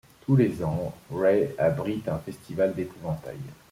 Tous les ans, Wray abrite un festival d'épouvantails.